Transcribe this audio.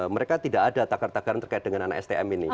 mereka tidak ada tagar tagar terkait dengan anak stm ini